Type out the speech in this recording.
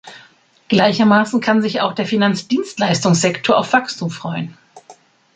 Gleichermaßen kann sich auch der Finanzdienstleistungssektor auf Wachstum freuen.